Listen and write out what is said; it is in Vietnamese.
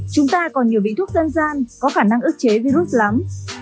chúng ta còn nhiều vị thuốc dân gian có khả năng ức chế virus lắm